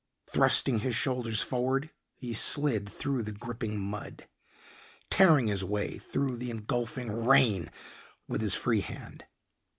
Thrusting his shoulders forward he slid through the gripping mud, tearing his way through the engulfing rain with his free hand.